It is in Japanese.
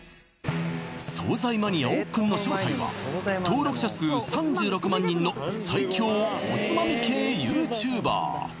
惣菜マニアおっくんの正体は登録者数３６万人の最強おつまみ系ＹｏｕＴｕｂｅｒ